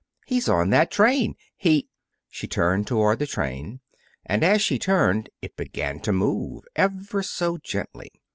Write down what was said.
He's on that train. He " She turned toward the train. And as she turned it began to move, ever so gently.